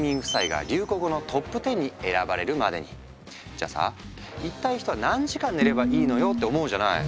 じゃあさ「一体人は何時間寝ればいいのよ！」って思うじゃない？